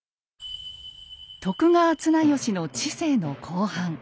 徳川綱吉の治世の後半。